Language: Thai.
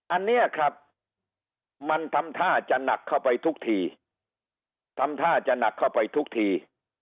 อันนี้ครับมันทำท่าจะหนักเข้าไปทุกทีทำท่าจะหนักเข้าไปทุกที